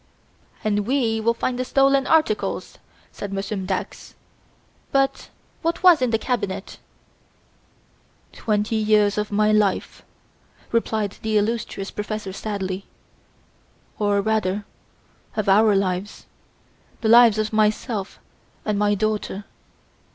"And we will find the stolen articles," said Monsieur Dax. "But what was in the cabinet?" "Twenty years of my life," replied the illustrious professor sadly, "or rather of our lives the lives of myself and my daughter!